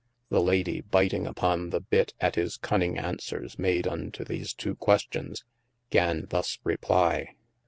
The Lady biting upon the bitte at hjs cunning answeres made unto these two questions, ganne thus replie.